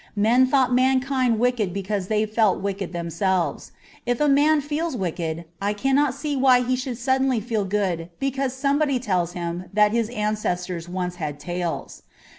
Men thought mankind wicked because they felt wicked themselves. If a man feels wicked, I cannot see why he should suddenly feel good because somebody tells him that his ancestors once had tails.